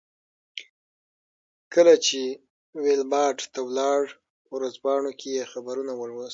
کله چې ویلباډ ته ولاړ په ورځپاڼو کې یې خبرونه ولوستل.